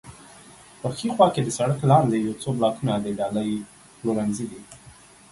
په ښي خوا کې د سړک لاندې یو څو بلاکونه د ډالۍ پلورنځی دی.